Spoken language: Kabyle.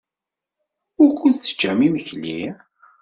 Wukud teččam imekli?